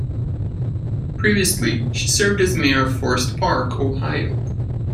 Previously, she served as mayor of Forest Park, Ohio.